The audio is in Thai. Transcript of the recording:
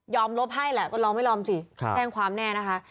ลบให้แหละก็ลองไม่ยอมสิแจ้งความแน่นะคะ